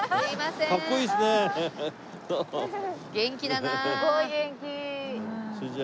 元気だなあ！